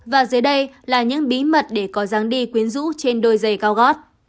và dưới đây là những bí mật để có dáng đi quyến rũ trên đôi giày cao gót